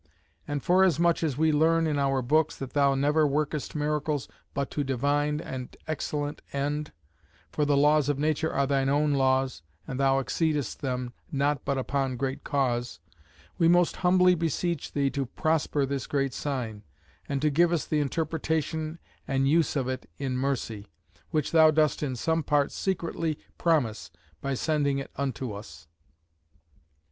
And forasmuch as we learn in our books that thou never workest miracles, but to divine and excellent end, (for the laws of nature are thine own laws, and thou exceedest them not but upon great cause,) we most humbly beseech thee to prosper this great sign, and to give us the interpretation and use of it in mercy; which thou dost in some part secretly promise by sending it unto us.'